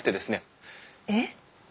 えっ？